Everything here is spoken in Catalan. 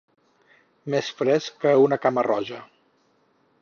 Més fresc que una cama-roja.